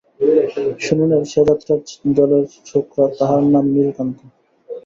শুনিলেন, সে যাত্রার দলের ছোকরা, তাহার নাম নীলকান্ত।